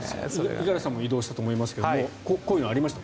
五十嵐さんも移動したと思いますがこういうのありました？